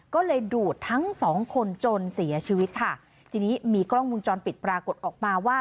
ก็เลยดูดทั้งสองคนจนเสียชีวิตค่ะทีนี้มีกล้องมุมจรปิดปรากฏออกมาว่า